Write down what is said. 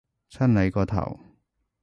襯你個頭